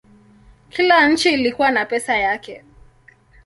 Kila nchi ilikuwa na pesa yake.